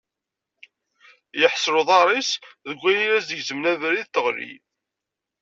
Yeḥṣel uḍar-is deg wayen i as-d-igezmen abrid teɣli.